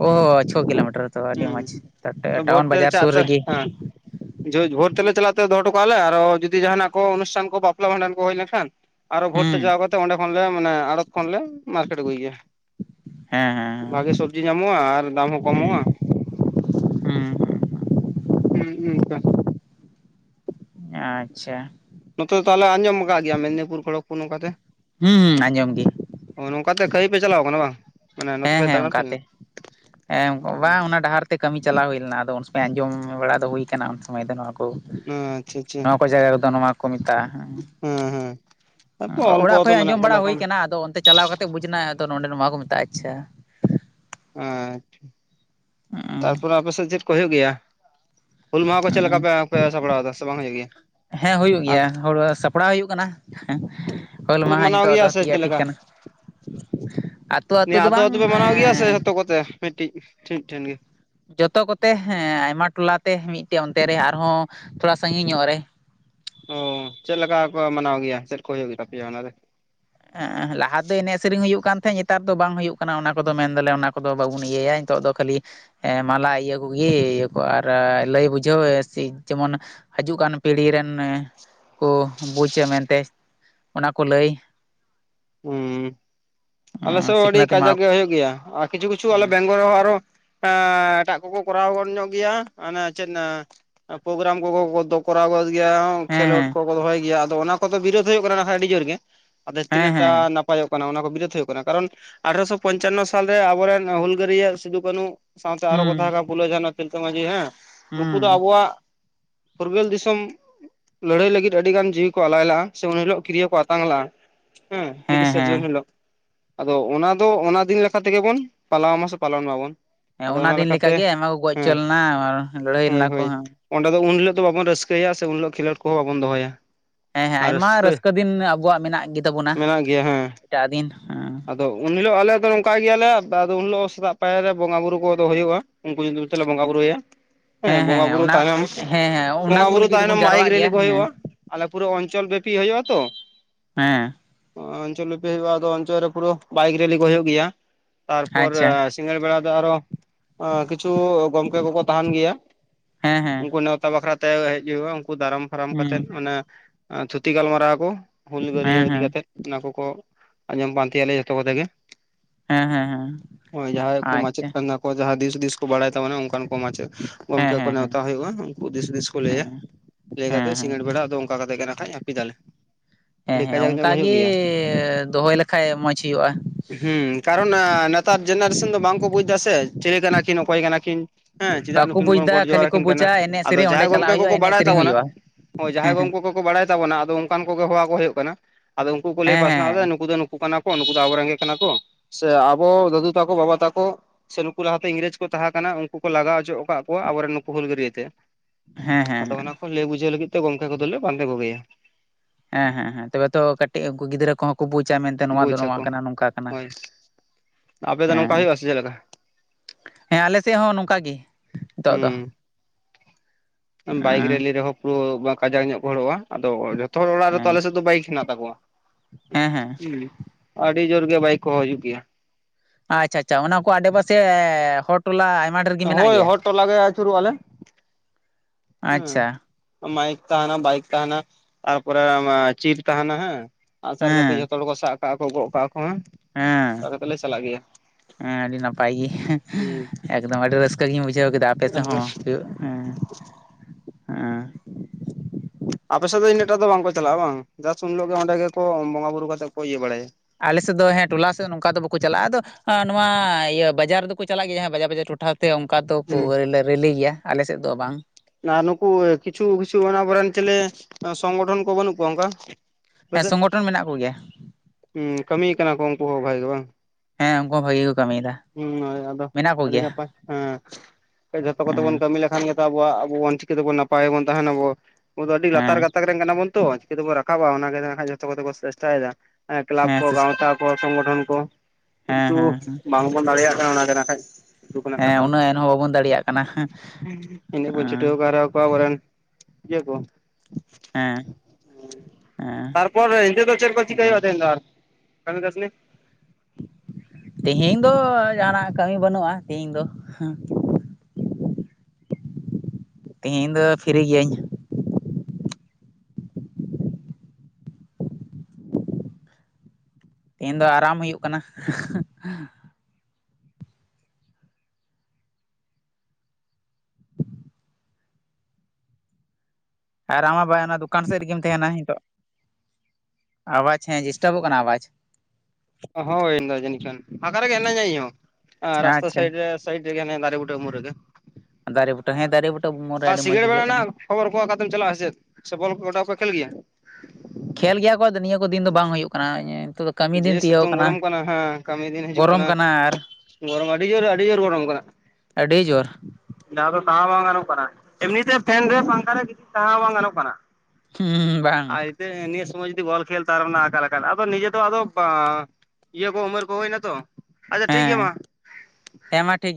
S1: ᱚ ᱪᱷᱚ ᱠᱤᱞᱳᱢᱤᱴᱟᱨ ᱛᱚ ᱟᱹᱰᱤ
S2: ᱦᱩᱸ
S1: ᱢᱚᱸᱡᱽ
S2: ᱵᱷᱳᱨ
S1: ᱴᱟᱣᱩᱱ
S2: ᱛᱮ
S1: ᱵᱟᱡᱟᱨ
S2: ᱪᱟᱜ
S1: ᱥᱩᱨ
S2: ᱛᱮ
S1: ᱨᱮᱜᱮ
S2: ᱦᱮᱸ ᱵᱷᱳᱨ ᱛᱮᱞᱮ ᱪᱟᱞᱟᱜ ᱛᱮ ᱫᱚᱦᱚ ᱦᱚᱴᱚ ᱠᱟᱜ-ᱟ᱾ ᱞᱮ ᱟᱨᱚ ᱡᱩᱫᱤ ᱡᱟᱦᱟᱱᱟᱜ ᱠᱚ ᱚᱱᱩᱥᱴᱷᱟᱱ ᱠᱚ ᱵᱟᱯᱞᱟ ᱵᱷᱟᱸᱰᱟᱱ ᱠᱚ ᱦᱩᱭ ᱞᱮᱱᱠᱷᱟᱱ ᱟᱨᱚ ᱵᱷᱳᱨᱛᱮ
S1: ᱦᱩᱸ
S2: ᱪᱟᱞᱟᱣ ᱠᱟᱛᱮ ᱚᱸᱰᱮ ᱠᱷᱚᱱᱞᱮ ᱢᱟᱱᱮ ᱟᱲᱚᱛ ᱠᱷᱚᱱᱞᱮ ᱢᱟᱨᱠᱮᱴ ᱟᱹᱜᱩᱭ ᱜᱮᱭᱟ᱾
S1: ᱦᱮᱸ ᱦᱮᱸ
S2: ᱵᱷᱟᱜᱮ ᱥᱚᱵᱽᱡᱤ ᱧᱟᱢᱚᱜ-ᱟ᱾ ᱟᱨ ᱫᱟᱢ ᱦᱚᱸ ᱠᱚᱢᱚᱜ-ᱟ᱾
S1: ᱦᱩᱸ ᱦᱩᱸ
S2: ᱦᱩᱸ ᱦᱩᱸ ᱚᱱᱠᱟ
S1: ᱟᱪᱪᱷᱟ,
S2: ᱱᱚᱛᱮ ᱫᱚ ᱛᱟᱦᱚᱞᱮ ᱟᱸᱡᱚᱢ ᱠᱟᱜ ᱜᱮᱭᱟᱢ ᱢᱮᱫᱽᱱᱤᱯᱩᱨ ᱠᱷᱚᱲᱚᱜᱯᱩᱨ ᱱᱚᱝᱠᱟᱛᱮ,
S1: ᱦᱩᱸ ᱦᱩᱸ ᱟᱸᱡᱚᱢ ᱜᱮ᱾
S2: ᱚ ᱱᱚᱝᱠᱟᱛᱮ ᱠᱟᱹᱢᱤ ᱯᱮ ᱪᱟᱞᱟᱣ ᱠᱟᱱᱟ ᱵᱟᱝ, ᱢᱟᱱᱮ ᱱᱚᱛᱮ
S1: ᱦᱮᱸ
S2: ᱯᱮ
S1: ᱦᱮᱸ
S2: ᱫᱟᱬᱟᱱ ᱯᱮ
S1: ᱚᱱᱠᱟᱛᱮ ᱦᱮᱸ ᱵᱟᱝ ᱚᱱᱟ ᱰᱟᱦᱟᱨ ᱛᱮ ᱠᱟᱹᱢᱤ ᱪᱟᱞᱟᱣ ᱦᱩᱭ ᱞᱮᱱᱟ ᱟᱫᱚ ᱩᱱ ᱥᱚᱢᱚᱭ ᱟᱸᱡᱚᱢ ᱵᱟᱲᱟ ᱫᱚ ᱦᱩᱭ ᱠᱟᱱᱟ ᱩᱱ ᱥᱚᱢᱚᱭ ᱫᱚ ᱱᱚᱣᱟ ᱠᱚ
S2: ᱟᱪᱪᱷᱟ ᱟᱪᱪᱷᱟ᱾
S1: ᱱᱚᱣᱟ ᱠᱚ ᱡᱟᱭᱜᱟ ᱨᱮᱫᱚ ᱱᱚᱣᱟ ᱠᱚ ᱢᱮᱛᱟᱜᱼᱟ ᱦᱮᱸ᱾
S2: ᱦᱮᱸ ᱦᱮᱸ ᱛᱟᱨᱯᱚᱨ ᱚᱞ
S1: ᱚᱲᱟᱜ
S2: ᱠᱚᱦᱚᱸ ᱛᱚ
S1: ᱠᱷᱚᱡ
S2: ᱢᱮᱱᱟᱜ
S1: ᱟᱸᱡᱚᱢ
S2: ᱠᱟᱫᱟ
S1: ᱵᱟᱲᱟ ᱦᱩᱭ
S2: ᱮᱠᱷᱚᱱ
S1: ᱠᱟᱱᱟ ᱟᱫᱚ ᱚᱱᱛᱮ ᱪᱟᱞᱟᱣ ᱠᱟᱛᱮᱫ ᱵᱩᱡᱽᱷᱱᱟ ᱟᱫᱚ ᱱᱚᱰᱮ ᱱᱚᱣᱟ ᱠᱚ ᱢᱮᱛᱟᱜᱼᱟ ᱟᱪᱪᱷᱟ,
S2: ᱟᱪᱪᱷᱟ
S1: ᱦᱩᱸ
S2: ᱛᱟᱨᱯᱚᱨᱮ ᱟᱯᱮ ᱥᱮᱫ ᱪᱮᱫ ᱠᱚ ᱦᱩᱭᱩᱜ ᱜᱮᱭᱟ? ᱦᱩᱞ ᱢᱟᱦᱟᱸ ᱠᱚ ᱪᱮᱫ ᱞᱮᱠᱟ ᱯᱮᱼᱯᱮ ᱥᱟᱯᱲᱟᱣᱫᱟ ᱥᱮ ᱵᱟᱝ ᱦᱩᱭᱩᱜ ᱜᱮ ᱟᱨ
S1: ᱦᱩᱭ ᱥᱟᱯᱲᱟᱣ ᱦᱩᱭᱩᱜ ᱠᱟᱱᱟ ᱦᱩᱞ ᱢᱟᱦᱟᱸ
S2: ᱢᱟᱱᱟᱣ
S1: ᱱᱤᱛᱚᱜ
S2: ᱜᱮᱭᱟ ᱥᱮ ᱪᱮᱫ
S1: ᱛᱤᱭᱟᱹᱜ ᱴᱷᱤᱠ
S2: ᱞᱮᱠᱟ
S1: ᱠᱟᱱᱟ᱾ ᱟᱛᱳ ᱟᱛᱳ ᱫᱚ ᱵᱟᱝ ᱮᱸᱻ
S2: ᱢᱤᱜᱴᱮᱜ ᱴᱷᱤᱠ ᱴᱷᱮᱱ ᱜᱮ,
S1: ᱡᱚᱛᱚ ᱠᱚᱛᱮ ᱦᱮᱸ ᱟᱭᱢᱟ ᱴᱚᱞᱟᱛᱮ ᱢᱤᱫᱴᱮᱜ ᱚᱱᱛᱮ ᱨᱮ ᱟᱨᱦᱚᱸ ᱛᱷᱚᱲᱟ ᱥᱟᱺᱜᱤᱧ ᱧᱚᱜ ᱨᱮ,
S2: ᱦᱚᱸ ᱪᱮᱜ ᱞᱮᱠᱟ ᱠᱚ ᱢᱟᱱᱟᱣ ᱜᱮᱭᱟ ᱪᱮᱜ ᱠᱚ ᱦᱩᱭᱩᱜ ᱜᱮᱛᱟᱯᱮᱭᱟ ᱚᱱᱟᱨᱮ᱾
S1: ᱮᱸ ᱞᱟᱦᱟ ᱛᱮ ᱮᱱᱮᱡ ᱥᱮᱨᱮᱧ ᱦᱩᱭᱩᱜ ᱠᱟᱱ ᱛᱟᱦᱮᱸᱫ ᱱᱮᱛᱟᱨ ᱫᱚ ᱵᱟᱝ ᱦᱩᱭᱩᱜ ᱠᱟᱱᱟ ᱚᱱᱟ ᱠᱚᱫᱚ ᱢᱮᱱᱫᱟᱞᱮ ᱚᱱᱟ ᱠᱚᱫᱚ ᱵᱟᱵᱚᱱ ᱤᱭᱟᱹᱭᱟ᱾ ᱱᱤᱛᱚᱜ ᱫᱚ ᱠᱷᱟᱹᱞᱤ ᱮ ᱢᱟᱞᱟ ᱤᱭᱟᱹ ᱠᱚᱜᱮ ᱤᱭᱟᱹ ᱠᱚ ᱟᱨ ᱞᱟᱹᱭ ᱵᱩᱡᱷᱟᱹᱣ ᱥᱮ ᱡᱮᱢᱚᱱ, ᱦᱟᱹᱡᱩᱜ ᱠᱟᱱ ᱯᱤᱲᱦᱤ ᱨᱮᱱ ᱠᱚ ᱵᱩᱡᱟ ᱢᱮᱱᱛᱮ ᱚᱱᱟᱠᱚ ᱞᱟᱹᱭ
S2: ᱦᱩᱸ ᱟᱞᱮᱥᱮ ᱦᱚᱸ ᱟᱹᱰᱤ
S1: ᱥᱤᱠᱷᱱᱟᱹᱛ ᱮᱢᱟ
S2: ᱠᱟᱡᱟᱠ ᱜᱮ ᱦᱩᱭᱩᱜ ᱜᱮᱭᱟ ᱟᱨ ᱠᱤᱪᱷᱩ ᱠᱤᱪᱷᱩ ᱟᱞᱮ
S1: ᱦᱮᱸ
S2: ᱵᱮᱝᱜᱚᱞ ᱨᱮᱦᱚᱸ ᱟᱨᱚ, ᱮᱸ ᱮᱴᱟᱜ ᱠᱚᱠᱚ ᱠᱚᱨᱟᱣ ᱧᱚᱜ ᱜᱮᱭᱟ ᱟᱱᱮ ᱪᱮᱫ ᱯᱨᱳᱜᱨᱟᱢ ᱠᱚᱻᱠᱚ ᱫᱚ ᱠᱚᱨᱟᱣ ᱜᱚᱫ ᱜᱮᱭᱟ ᱠᱷᱮᱞᱚᱰ
S1: ᱦᱮᱸ
S2: ᱠᱚᱠᱚ ᱫᱚᱦᱚᱭ ᱜᱮᱭᱟ ᱟᱫᱚ ᱚᱱᱟ ᱠᱚᱫᱚ ᱵᱤᱨᱳᱫ ᱦᱩᱭᱩᱜ ᱠᱟᱱᱟ ᱟᱹᱰᱤ ᱡᱚᱨ ᱜᱮ᱾
S1: ᱦᱮᱸ ᱦᱮᱸ
S2: ᱛᱤᱱᱟᱹᱜᱴᱟ ᱱᱟᱯᱟᱭᱚᱜ ᱠᱟᱱᱟ ᱚᱱᱟ ᱠᱚ ᱵᱤᱨᱳᱫᱷ ᱦᱩᱭᱩᱜ ᱠᱟᱱᱟ ᱠᱟᱨᱚᱱ ᱟᱴᱷᱨᱚᱥᱚ ᱯᱚᱧᱪᱟᱱᱚ ᱥᱟᱞᱨᱮ ᱟᱵᱚᱨᱮᱱ ᱦᱩᱞᱜᱟᱹᱨᱭᱟ. ᱥᱤᱫᱩ ᱠᱟᱹᱱᱩ ᱥᱟᱶᱛᱮ ᱟᱨᱚ ᱠᱚ ᱛᱟᱦᱮᱸ
S1: ᱦᱩᱸ
S2: ᱠᱟᱱ ᱯᱩᱞᱟᱹ ᱡᱷᱟᱱᱚ ᱛᱤᱞᱠᱟᱹ ᱢᱟᱺᱡᱷᱤ ᱦᱮᱸ ᱱᱩᱠᱩ
S1: ᱦᱩᱸ
S2: ᱫᱚ ᱟᱵᱚᱣᱟᱜ, ᱯᱷᱩᱨᱜᱟᱹᱞ ᱫᱤᱥᱚᱢ ᱞᱟᱹᱲᱦᱟᱹᱭ ᱞᱟᱹᱜᱤᱫ ᱟᱹᱰᱤᱜᱟᱱ ᱡᱤᱣᱤ ᱠᱚ ᱟᱞᱟᱭ ᱞᱟᱜᱼᱟ ᱥᱮ ᱩᱱ ᱦᱤᱞᱳ ᱠᱤᱨᱭᱟᱹ ᱠᱚ ᱟᱛᱟᱝ ᱞᱟᱜᱼᱟ᱾ ᱦᱮᱸ ᱛᱤᱨᱤᱥᱮ ᱡᱩᱱ ᱦᱤᱞᱚᱜ, ᱟᱫᱚ ᱚᱱᱟ ᱫᱚ ᱚᱱᱟ ᱫᱤᱱ ᱞᱮᱠᱟ ᱛᱮᱜᱮᱵᱚᱱ ᱯᱟᱞᱟᱣ ᱢᱟ ᱥᱮ ᱯᱟᱞᱚᱱ ᱢᱟᱵᱚᱱ᱾
S1: ᱦᱮᱸ
S2: ᱟᱫᱚ
S1: ᱚᱱᱟ ᱫᱤᱱ
S2: ᱞᱮᱠᱟᱛᱮ
S1: ᱞᱮᱠᱟᱜᱮ ᱟᱭᱢᱟ ᱠᱚ ᱜᱚᱡ ᱦᱚᱪᱚ
S2: ᱦᱮᱸ
S1: ᱞᱮᱱᱟ ᱟᱨ ᱞᱟᱹᱲᱦᱟᱹᱭ
S2: ᱦᱳᱭ
S1: ᱞᱮᱱᱟ ᱠᱚ
S2: ᱦᱳᱭ ᱚᱸᱰᱮ ᱫᱚ ᱩᱱ ᱦᱤᱞᱳᱜ ᱫᱚ ᱵᱟᱵᱚᱱ ᱨᱟᱹᱥᱠᱟᱹᱭᱟ ᱥᱮ ᱩᱱ ᱦᱤᱞᱚᱜ ᱠᱷᱮᱞᱚᱰ ᱠᱚᱦᱚᱸ ᱵᱟᱵᱚᱱ ᱫᱚᱦᱚᱭᱟ᱾
S1: ᱦᱮᱸ ᱦᱮᱸ ᱟᱭᱢᱟ ᱨᱟᱹᱥᱠᱟᱹ ᱫᱤᱱ ᱟᱵᱚᱣᱟᱜ ᱢᱮᱱᱟᱜ ᱜᱮ
S2: ᱢᱮᱱᱟᱜ ᱜᱮᱭᱟ ᱦᱮᱸ᱾ ᱟᱫᱚ ᱩᱱ ᱦᱤᱞᱚᱜ ᱟᱞᱮᱫᱚ ᱱᱚᱝᱠᱟ ᱜᱮᱭᱟᱞᱮ ᱟᱫᱚ ᱩᱱᱤᱞᱳᱜ ᱥᱮᱛᱟᱜ ᱯᱟᱭᱟᱨᱮ ᱵᱚᱸᱜᱟ ᱵᱩᱨᱩ ᱠᱚᱫᱚ ᱦᱩᱭᱩᱜᱼᱟ, ᱩᱱᱠᱩ ᱧᱩᱛᱩᱢ ᱛᱮᱞᱮ ᱵᱚᱸᱜᱟ ᱵᱩᱨᱩᱭᱟ᱾
S1: [inaudible]
S2: ᱦᱮᱸ ᱵᱚᱸᱜᱟ ᱵᱩᱨᱩ ᱛᱟᱭᱱᱚᱢ
S1: ᱦᱮᱸ ᱦᱮᱸ ᱚᱱᱟ
S2: ᱵᱚᱸᱜᱟ
S1: ᱠᱚ
S2: ᱵᱩᱨᱩ
S1: ᱞᱟᱹᱜᱤᱫ ᱫᱚᱵᱚᱱ
S2: ᱛᱟᱭᱱᱚᱢ
S1: ᱡᱟᱨᱣᱟᱜ
S2: ᱵᱟᱭᱤᱠ ᱨᱮᱞᱤ
S1: ᱜᱮᱭᱟ
S2: ᱠᱚ
S1: ᱦᱮᱸ
S2: ᱦᱩᱭᱩᱜᱼᱟ᱾ ᱟᱞᱮ ᱯᱩᱨᱟᱹᱣ ᱚᱧᱪᱚᱞ ᱵᱮᱯᱤ ᱦᱩᱭᱩᱜᱼᱟ ᱛᱚ᱾
S1: ᱦᱮᱸ
S2: ᱚᱧᱪᱚᱞ ᱵᱤᱯᱤ ᱦᱩᱭᱩᱜᱼᱟ, ᱚᱧᱪᱚᱞ ᱨᱮ ᱯᱩᱨ ᱵᱟᱭᱤᱠ ᱨᱮᱞᱤ ᱠᱚ ᱦᱚ ᱦᱩᱭᱩᱜ ᱜᱮᱭᱟ ᱛᱟᱨᱯᱚᱨ,
S1: ᱟᱪᱪᱷᱟ
S2: ᱥᱤᱸᱜᱟᱲ ᱵᱮᱲᱟ ᱫᱚ ᱟᱨᱦᱚᱸ ᱠᱤᱪᱷᱩ ᱜᱚᱝᱠᱮ ᱠᱚᱠᱚ ᱛᱟᱦᱮᱱ ᱜᱮᱭᱟ
S1: ᱦᱮᱸ ᱦᱮᱸ
S2: ᱩᱱᱠᱩ ᱱᱮᱣᱛᱟ ᱵᱟᱠᱷᱨᱟ ᱛᱮ ᱦᱮᱜ ᱦᱩᱭᱩᱜᱼᱟ ᱩᱱᱠᱩ ᱫᱟᱨᱟᱢ ᱯᱷᱟᱨᱟᱢ
S1: ᱦᱩᱸ
S2: ᱠᱟᱛᱮᱜ ᱚᱱᱮ ᱛᱷᱩᱛᱤ ᱜᱟᱞᱢᱟᱨᱟᱣ ᱠᱚ ᱦᱩᱞ ᱜᱟᱹᱨᱭᱟᱹ
S1: ᱦᱮᱸ
S2: ᱤᱫᱤ
S1: ᱦᱮᱸ
S2: ᱠᱟᱛᱮ᱾ ᱚᱱᱟ ᱠᱚᱠᱚ ᱟᱸᱡᱚᱢ ᱯᱟᱱᱛᱮᱭᱟᱞᱮ ᱡᱷᱚᱛᱚ ᱠᱚᱛᱮ ᱜᱮ᱾
S1: ᱦᱮᱸ ᱦᱮᱸ ᱦᱮᱸ
S2: ᱦᱳ ᱡᱟᱦᱟᱸᱭ ᱠᱚ ᱢᱟᱪᱮᱫ
S1: ᱟᱪᱪᱷᱟ
S2: ᱠᱟᱱ ᱠᱚ, ᱡᱟᱦᱟᱸᱭ ᱫᱤᱥ ᱦᱩᱫᱤᱥ ᱠᱚ ᱵᱟᱲᱟᱭ ᱛᱟᱵᱚᱱᱟ ᱚᱱᱠᱟᱱ ᱠᱚ ᱢᱟᱪᱮᱫ
S1: ᱦᱮᱸ
S2: ᱜᱚᱢᱠᱮ ᱠᱚ
S1: ᱦᱮᱸ ᱦᱮᱸ
S2: ᱱᱮᱣᱛᱟ ᱦᱩᱭᱩᱜᱼᱟ᱾ ᱩᱱᱠᱩ ᱫᱤᱥ ᱦᱩᱫᱤᱥ ᱠᱚ
S1: ᱦᱮᱸ
S2: ᱞᱟᱹᱭᱟ ᱞᱟᱹᱭ ᱠᱟᱛᱮ
S1: ᱦᱮᱸ ᱦᱮᱸ
S2: ᱥᱤᱸᱜᱟᱹᱲ ᱵᱮᱲᱟ ᱟᱫᱚ ᱚᱱᱠᱟ ᱠᱟᱛᱮ ᱠᱟᱱᱟ ᱠᱷᱟᱡ ᱚᱥᱯᱤᱫᱟᱞᱮ
S1: ᱦᱮᱸ
S2: ᱟᱹᱰᱤ
S1: ᱦᱮᱸ
S2: ᱠᱟᱡᱟᱠ ᱧᱚᱜ ᱦᱩᱭᱩᱜ
S1: ᱚᱱᱠᱟᱜᱮ
S2: ᱜᱮᱭᱟ
S1: ᱫᱚᱦᱚᱭ ᱞᱮᱠᱷᱟᱡ ᱢᱚᱸᱡᱽ ᱦᱩᱭᱩᱜᱼᱟ᱾
S2: ᱦᱮᱸ ᱠᱟᱨᱚᱱ ᱱᱮᱛᱟᱨ ᱡᱮᱱᱟᱨᱮᱥᱚᱱ ᱫᱚ ᱵᱟᱝ ᱠᱚ ᱵᱩᱡ ᱮᱫᱟ ᱥᱮ ᱪᱮᱞᱮ ᱠᱟᱱᱟ ᱠᱤᱱ ᱚᱠᱚᱭ ᱠᱟᱱᱟ ᱠᱤᱱ ᱦᱮᱸ ᱪᱮᱫᱟᱜ
S1: ᱵᱟᱠᱚ
S2: ᱱᱩᱠᱤᱱ
S1: ᱵᱩᱡ
S2: ᱵᱚᱱ ᱜᱚᱴ
S1: ᱫᱟ
S2: ᱡᱚᱦᱟᱨ
S1: ᱠᱷᱟᱹᱞᱤ ᱠᱚ
S2: ᱟᱠᱤᱱ ᱠᱟᱱᱟ
S1: ᱵᱩᱡᱟ ᱮᱱᱮᱡ
S2: ᱟᱫᱚ
S1: ᱥᱮᱨᱮᱧ
S2: ᱡᱟᱦᱟᱸᱭ
S1: ᱚᱸᱰᱮ ᱪᱟᱞᱟᱜ
S2: ᱜᱚᱝᱠᱮ
S1: ᱦᱩᱭᱩᱜᱼᱟ
S2: ᱠᱚ
S1: ᱮᱱᱮᱡ
S2: ᱵᱟᱲᱟᱭ
S1: ᱥᱮᱨᱮᱧ
S2: ᱛᱟᱵᱚᱱᱟ
S1: ᱦᱩᱭᱩᱜᱼᱟ
S2: ᱦᱳᱭ ᱡᱟᱦᱟᱸᱭ
S1: ᱦᱮᱸ ᱦᱮᱸ
S2: ᱜᱚᱝᱠᱮ ᱵᱟᱲᱟᱭ ᱛᱟᱵᱚᱱᱟ ᱟᱫᱚ ᱚᱱ ᱠᱚᱜᱮ ᱦᱚ ᱠᱚ ᱦᱩᱭᱩᱜ ᱠᱟᱱᱟ ᱟᱫᱚ ᱩᱱᱠᱩ ᱠᱚ ᱞᱟᱹᱭ
S1: ᱦᱮᱸ
S2: ᱯᱟᱥᱱᱟᱣ
S1: ᱦᱮᱸ
S2: ᱮᱫᱟ ᱱᱩᱠᱩ ᱫᱚ ᱠᱟᱱᱟ ᱠᱚ ᱱᱩᱠᱩ ᱫᱚ ᱟᱵᱚ ᱨᱮᱸᱜᱮ ᱠᱟᱱᱟ ᱠᱚ ᱥᱮ ᱟᱵᱚ ᱫᱟᱹᱫᱩ ᱛᱟᱠᱚ ᱵᱟᱵᱟ ᱛᱟᱠᱚ᱾ ᱥᱮ ᱱᱩᱠᱩ ᱞᱟᱦᱟᱛᱮ ᱤᱝᱨᱮᱡᱽ ᱠᱚ ᱛᱟᱦᱮᱸ ᱠᱟᱱᱟ ᱩᱱᱠᱩ ᱠᱚ ᱞᱟᱜᱟᱣ ᱦᱚᱪᱚ ᱟᱠᱟᱫ ᱠᱚᱣᱟ ᱟᱵᱚᱨᱮᱱ ᱱᱩᱠᱩ ᱦᱩᱞ ᱜᱟᱹᱨᱭᱟᱹ ᱛᱮ᱾
S1: ᱦᱮᱸ
S2: ᱟᱫᱚ ᱚᱱᱟ ᱠᱷᱚᱱ ᱞᱟᱹᱭ ᱵᱩᱡᱷᱟᱹᱣ ᱞᱟᱹᱜᱤᱫ ᱛᱮ ᱜᱚᱝᱠᱮ ᱠᱚ ᱫᱚ ᱞᱮ ᱯᱟᱱᱛᱮ ᱠᱚᱜᱮᱭᱟ᱾
S1: ᱦᱮᱸ ᱦᱮᱸ ᱦᱮᱸ ᱛᱚᱵᱮ ᱛᱚ ᱠᱟᱹᱴᱤᱡ ᱠᱩ ᱜᱤᱫᱽᱨᱟᱹ ᱠᱚᱦᱚᱸ ᱠᱚ ᱵᱩᱡᱟ ᱢᱮᱱᱛᱮ ᱱᱚᱣᱟ ᱫᱚ
S2: ᱵᱩᱡ
S1: ᱱᱚᱣᱟ
S2: ᱟᱠᱚ
S1: ᱠᱟᱱᱟ ᱱᱚᱝᱠᱟ ᱠᱟᱱᱟ᱾
S2: ᱦᱳᱭ ᱟᱯᱮ ᱫᱚ ᱱᱚᱝᱠᱟ
S1: ᱦᱮᱸ
S2: ᱦᱩᱭᱩᱜᱼᱟ ᱥᱮ ᱪᱮᱫ ᱞᱮᱠᱟ?
S1: ᱦᱮᱸ ᱟᱞᱮ ᱥᱮᱫ ᱦᱚᱸ ᱱᱚᱝᱠᱟ ᱜᱮ ᱱᱤᱛᱚᱜ ᱫᱚ᱾
S2: ᱦᱩᱸ ᱵᱟᱭᱤᱠ
S1: ᱦᱮᱸ
S2: ᱨᱮᱞᱤ ᱨᱮ ᱦᱳᱠ ᱯᱩᱨᱟᱹ ᱠᱟᱡᱟᱠ ᱧᱚᱜ ᱠᱚ ᱦᱚᱲᱚᱨᱚᱜᱼᱟ ᱟᱫᱚ ᱡᱷᱚᱛᱚ ᱦᱚᱲ ᱚᱲᱟᱜ ᱨᱮᱛᱚ
S1: ᱦᱮᱸ
S2: ᱟᱞᱮ ᱥᱮᱫ ᱫᱚ ᱵᱟᱭᱤᱠ ᱦᱮᱱᱟᱜ ᱛᱟᱠᱚᱣᱟ᱾
S1: ᱦᱮᱸ
S2: ᱦᱩᱸ ᱟᱹᱰᱤ ᱡᱳᱨ ᱜᱮ ᱵᱟᱭᱤᱠ ᱠᱚ ᱦᱚᱸ ᱦᱤᱡᱩᱜ ᱜᱮᱭᱟ᱾
S1: ᱟᱪᱪᱷᱟ ᱟᱪᱪᱷᱟ ᱚᱱᱟ ᱠᱚ ᱟᱰᱮ ᱯᱟᱥᱮ ᱦᱚᱲ ᱴᱚᱞᱟ ᱟᱭᱢᱟ ᱰᱷᱮᱨ ᱜᱮ ᱢᱮᱱᱟᱜ
S2: ᱦᱳᱭ
S1: ᱜᱮᱭᱟ
S2: ᱦᱚᱲ ᱴᱚᱞᱟ ᱜᱮ ᱟᱪᱩᱨᱣᱟᱞᱮ
S1: ᱟᱪᱪᱷᱟ
S2: ᱦᱮᱸ ᱢᱟᱭᱤᱠ ᱛᱟᱦᱮᱱᱟ, ᱵᱟᱭᱤᱠ ᱛᱟᱦᱮᱱᱟ, ᱛᱟᱨᱯᱚᱨᱮ ᱪᱤᱨ ᱛᱟᱦᱮᱱᱟ ᱦᱮᱸ᱾ ᱟᱜᱥᱟᱨ ᱠᱟᱹᱯᱤ
S1: ᱦᱮᱸ
S2: ᱡᱷᱚᱛᱚ ᱦᱚᱲ ᱠᱚ ᱥᱟᱵ ᱠᱟᱜᱼᱟ ᱠᱚ ᱜᱚᱜ ᱠᱟᱜ ᱠᱚ
S1: ᱦᱮᱸ
S2: ᱚᱱᱠᱟ ᱠᱟᱛᱮ ᱞᱮ ᱪᱟᱞᱟᱜ ᱜᱮᱭᱟ
S1: ᱦᱮᱸ ᱟᱹᱰᱤ ᱱᱟᱯᱟᱭ ᱜᱮ᱾ ᱮᱠᱫᱚᱢ ᱟᱹᱰᱤ ᱨᱟᱹᱥᱠᱟᱹᱜ ᱜᱤᱧ ᱵᱩᱡᱷᱟᱹᱣ ᱠᱮᱫᱟ ᱟᱯᱮ ᱥᱮᱫ ᱦᱚᱸ
S2: ᱦᱩᱸ
S1: ᱦᱩᱭᱩᱜ ᱦᱮᱸ ᱦᱮᱸ
S2: ᱟᱯᱮ ᱥᱮᱫ ᱫᱚ ᱤᱱᱟᱹᱜ ᱴᱟᱜ ᱫᱚ ᱵᱟᱝ ᱠᱚ ᱪᱟᱞᱟᱜᱼᱟ᱾ ᱵᱟᱝ ᱡᱟᱥ ᱩᱱ ᱦᱤᱞᱳᱜ ᱜᱮ ᱚᱸᱰᱮ ᱜᱮ ᱠᱚ ᱵᱚᱸᱜᱟ ᱵᱩᱨᱩ ᱠᱟᱛᱮᱫ ᱜᱮ ᱠᱚ ᱤᱭᱟᱹ ᱵᱟᱲᱟᱭᱟ᱾
S1: ᱟᱞᱮ ᱥᱮᱫ ᱫᱚ ᱦᱮᱸ ᱴᱚᱞᱟ ᱥᱮᱫ ᱱᱚᱝᱠᱟ ᱫᱚ ᱵᱟᱠᱚ ᱪᱟᱞᱟᱜᱼᱟ᱾ ᱟᱫᱚ ᱱᱚᱶᱟ ᱤᱭᱟᱹ ᱵᱟᱡᱟᱨ ᱫᱚ ᱠᱚ ᱪᱟᱞᱟᱜ ᱜᱮᱭᱟ ᱵᱟᱡ ᱵᱟᱡᱟᱨ ᱴᱚᱴᱷᱟ ᱛᱮ ᱚᱱᱠᱟ ᱫᱚ ᱠᱚ
S2: ᱦᱩᱸ
S1: ᱨᱤᱣᱞᱤ ᱜᱮᱭᱟ ᱟᱞᱮ ᱥᱮᱫ ᱫᱚ ᱵᱟᱝ᱾
S2: ᱟᱨ ᱱᱩᱠᱩ ᱠᱤᱪᱷᱩ ᱠᱤᱪᱷᱩ ᱚᱱᱟᱵᱷᱚᱨᱟᱱ ᱪᱮᱞᱮ ᱥᱚᱝ ᱜᱚᱴᱷᱚᱱ ᱠᱚ ᱵᱟᱹᱱᱩᱜ ᱠᱚᱣᱟ ᱚᱱᱠᱟ
S1: ᱦᱮᱸ ᱥᱚᱝ ᱜᱚᱴᱷᱚᱱ ᱢᱮᱱᱟᱜ ᱠᱚ ᱜᱮᱭᱟ᱾
S2: ᱦᱚᱸ ᱠᱟᱹᱢᱤᱭ ᱠᱟᱱᱟ ᱠᱚ ᱩᱱᱠᱩ ᱦᱚᱸ ᱵᱷᱟᱜ ᱫᱚ ᱵᱟᱝ
S1: ᱦᱮᱸ ᱩᱱᱠᱩ ᱦᱚᱸ ᱵᱷᱟᱜᱤ ᱜᱮ ᱠᱚ ᱠᱟᱹᱢᱤᱭᱮᱫᱟ
S2: ᱦᱩᱭ ᱟᱫᱚ
S1: ᱢᱮᱱᱟᱜ
S2: ᱟᱹᱰᱤ
S1: ᱠᱚᱜᱮᱭᱟ
S2: ᱱᱟᱯᱟᱭ ᱦᱮᱸ ᱡᱷᱚᱛᱚ ᱠᱚᱛᱮ ᱵᱚᱱ ᱠᱟᱹᱢᱤ ᱞᱮ ᱠᱷᱟᱱ ᱜᱮ ᱟᱵᱚ ᱟᱵᱚ ᱚᱞ ᱪᱤᱠᱤ ᱛᱮ ᱵᱚᱱ ᱱᱟᱯᱟᱭ ᱟᱵᱚᱱ ᱛᱟᱦᱮ ᱱᱟᱵᱚᱱ ᱟᱹᱰᱤ ᱞᱟᱛᱟᱨ
S1: ᱦᱮᱸ
S2: ᱠᱟᱱᱟ ᱵᱚᱱ ᱛᱚ ᱪᱤᱠᱟᱹ ᱛᱮᱵ ᱨᱟᱠᱟᱵᱟ ᱚᱱᱟ ᱡᱷᱚᱛᱚ ᱠᱚ ᱛᱮ ᱪᱮᱥᱴᱟᱭᱮᱫᱟ ᱠᱮᱞᱟᱵ
S1: ᱦᱮᱸ
S2: ᱠᱚ
S1: ᱥᱤᱥᱴᱟᱨ
S2: ᱜᱟᱶᱛᱟ ᱠᱚ ᱥᱚᱝᱜᱚᱴᱷᱚᱱ ᱠᱚ
S1: ᱦᱮᱸ
S2: ᱠᱤᱱᱛᱩ
S1: ᱦᱮᱸ
S2: ᱵᱟᱝ ᱵᱚᱱ ᱫᱟᱲᱮ ᱭᱟᱜ ᱠᱟᱱᱟ ᱚᱱᱟᱛᱮ ᱱᱟ ᱠᱷᱟᱡ ᱱᱚᱠᱟᱱᱟ
S1: ᱦᱮᱸ
S2: ᱠᱟᱛᱷᱟ
S1: ᱩᱱᱟᱹᱜ ᱮᱱᱦᱚᱸ ᱵᱟᱵᱚᱱ ᱫᱟᱲᱮᱭᱟᱜ ᱠᱟᱱᱟ ᱦᱮᱸ
S2: [unintelligible] [unintelligible] ᱠᱚ ᱟᱵᱚᱨᱮᱱ ᱤᱭᱟᱹ ᱠᱚ᱾
S1: ᱦᱮᱸ ᱦᱮᱸ ᱦᱮᱸ
S2: ᱛᱟᱨᱯᱚᱨ ᱱᱤᱛᱚᱜ ᱫᱚ ᱪᱮᱫ ᱠᱚᱪ ᱪᱤᱠᱟ ᱦᱩᱭᱩᱜᱼᱟ ᱛᱤᱦᱤᱧ ᱫᱚ᱾ [unintelligible]
S1: ᱛᱮᱦᱮᱧ ᱫᱚ ᱡᱟᱦᱟᱱᱟᱜ ᱠᱟᱹᱢᱤ ᱵᱟᱹᱱᱩᱜᱼᱟ ᱛᱮᱦᱮᱧ ᱫᱚ᱾ ᱛᱮᱦᱤᱧ ᱫᱚ ᱯᱷᱤᱨᱤ ᱜᱤᱭᱟᱹᱧ᱾ ᱛᱮᱦᱮᱧ ᱫᱚ ᱟᱨᱟᱢ ᱦᱩᱭᱩᱜ ᱠᱟᱱᱟ᱾ ᱟᱨ ᱟᱢ ᱢᱟ ᱵᱟᱭ ᱚᱱᱟ ᱫᱚᱠᱟᱱ ᱥᱮᱫ ᱨᱮᱜᱮᱢ ᱛᱟᱦᱮᱱᱟ ᱱᱤᱛᱚᱜ᱾ ᱟᱣᱟᱡ ᱦᱮᱸ ᱰᱤᱥ ᱴᱟᱵᱚᱜ ᱠᱟᱱᱟ ᱟᱣᱟᱡ᱾
S2: ᱦᱚᱸ [unintelligible] ᱱᱚᱛᱮ ᱨᱮᱜᱮ ᱦᱤᱱᱤᱧᱼᱟ ᱤᱧ ᱦᱚ ᱨᱟᱥᱛᱟ
S1: ᱟᱪᱪᱷᱟ
S2: ᱥᱟᱭᱤᱴ ᱨᱮ᱾ ᱥᱟᱸᱭᱤᱰ ᱨᱮᱜᱮ ᱦᱟᱱᱮ ᱫᱟᱨᱮ ᱵᱩᱴᱟᱹ ᱩᱢᱩᱞ ᱨᱮᱜᱮ
S1: ᱫᱟᱨᱮ ᱵᱩᱴᱟᱹ ᱦᱮᱸ ᱫᱟᱨᱮ ᱵᱩᱴᱟᱹ ᱩᱢᱚᱨ ᱨᱮ
S2: ᱵᱟ
S1: ᱟᱹᱰᱤ ᱢᱚᱡᱽ
S2: ᱥᱤᱸᱜᱟᱹᱲ
S1: ᱵᱩᱡᱷᱟᱹᱜ
S2: ᱵᱮᱲᱟ
S1: ᱠᱟᱱᱟ᱾
S2: ᱨᱮᱱᱟᱜ ᱠᱷᱚᱵᱚᱨ ᱠᱚ ᱚᱠᱟᱛᱮᱢ ᱪᱟᱞᱟᱜᱼᱟ ᱥᱮᱪᱮᱫ ᱥᱮ ᱵᱚᱞ ᱠᱚ ᱜᱚᱵᱟ ᱯᱮ ᱠᱷᱮᱞ ᱜᱮᱭᱟ?
S1: ᱠᱷᱮᱞ ᱜᱮᱭᱟᱠᱚ ᱟᱫᱚ ᱱᱤᱭᱟᱹ ᱠᱚ ᱫᱤᱱ ᱫᱚ ᱵᱟᱝ ᱦᱩᱭᱩᱜ ᱠᱟᱱᱟ, ᱱᱤᱛᱚᱜ ᱫᱚ ᱠᱟᱹᱢᱤ
S2: ᱡᱮ
S1: ᱫᱤᱱ ᱛᱤᱭᱳᱜ
S2: ᱥᱤᱛᱩᱝ ᱜᱚᱨᱚᱢ ᱠᱟᱱᱟ ᱦᱟ ᱠᱟᱹᱢᱤ ᱫᱤᱱ ᱦᱤᱡᱩᱜ
S1: ᱜᱚᱨᱚᱢ
S2: ᱠᱟᱱᱟ
S1: ᱟᱨ
S2: ᱜᱚᱨᱚᱢ ᱟᱹᱰᱤ ᱡᱳᱨ ᱟᱹᱰᱤ ᱡᱳᱨ ᱜᱚᱨᱚᱢ ᱠᱟᱱᱟ᱾
S1: ᱟᱹᱰᱤ ᱡᱳᱨ
S2: [unintelligible] ᱥᱟᱦᱟᱣ ᱵᱟᱝ ᱜᱟᱱᱚᱜ ᱠᱟᱱᱟ, ᱮᱢᱱᱤᱛᱮ ᱯᱷᱮᱱ ᱨᱮ ᱯᱟᱝᱠᱷᱟ ᱨᱮ ᱥᱟᱦᱟᱣ ᱵᱟᱝ ᱜᱟᱱᱚᱜ ᱠᱟᱱᱟ᱾
S1: ᱦᱩᱸ ᱦᱩᱸ ᱵᱟᱝ᱾
S2: ᱟᱭᱛᱮ ᱱᱤᱭᱟᱹ ᱥᱚᱢᱚᱭ ᱡᱩᱫᱤ ᱵᱚᱞ ᱠᱷᱮᱞ ᱛᱟᱨᱢᱟᱱᱮ ᱟᱠᱟᱞ ᱟᱠᱟᱞ ᱟᱫᱚ ᱱᱤᱡᱮ ᱫᱚ ᱟᱫᱚ [unintelligible] ᱤᱭᱟᱹ ᱠᱚ ᱩᱢᱮᱨ ᱠᱚ ᱦᱳᱭᱱᱟᱛᱚ ᱟᱪᱪᱷᱟ ᱴᱷᱤᱠ ᱜᱮᱭᱟ ᱢᱟ᱾
S1: ᱦᱮᱸ ᱦᱮᱸ ᱢᱟ ᱴᱷᱤᱠ᱾